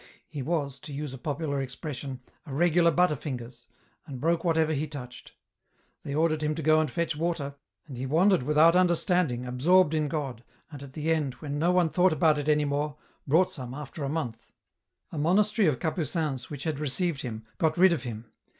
He was, to use a popular ex pression, a regular butter fingers, and broke whatever he touched. They ordered him to go and fetch water, and he wandered without understanding, absorbed in God, and at the end, when no one thought about it any more, brought some after a month. A monastery of Capucins which had received him, got rid of him.